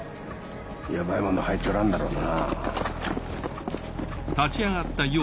やばい物入っとらんだろうな。